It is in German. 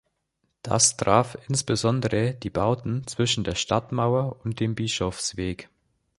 Das traf insbesondere die Bauten zwischen der Stadtmauer und dem Bischofsweg.